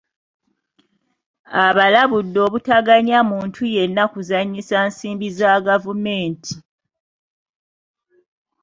Abalabudde obutaganya muntu yenna kuzannyisa nsimbi za gavumenti.